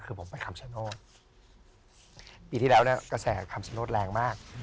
คือผมไปคำชโนธปีที่แล้วเนี่ยกระแสคำชโนธแรงมาก